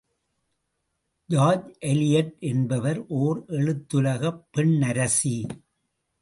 George Eliot என்பவர் ஓர் எழுத்துலகப் பெண்ணரசி!